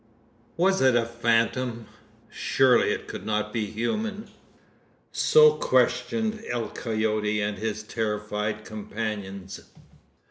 Was it a phantom? Surely it could not be human? So questioned El Coyote and his terrified companions.